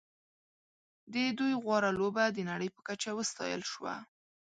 د دوی غوره لوبه د نړۍ په کچه وستایل شوه.